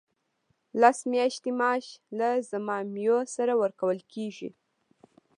لس میاشتې معاش له ضمایمو سره ورکول کیږي.